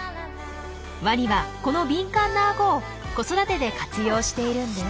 ワニはこの敏感なアゴを子育てで活用しているんです。